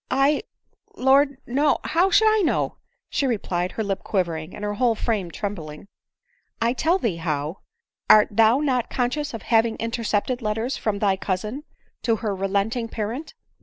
" I !— Lord — no — How should I know ?" she replied, her lip quivering, and her whole frame trembling. " 1 tell thee how. — Art thou not conscious of having intercepted letters from thy cousin, to her relenting parent